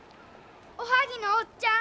おはぎのおっちゃん。